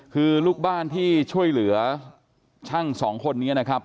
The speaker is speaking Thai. คือลูกบ้านที่ช่วยเหลือช่างสองคนนี้นะครับ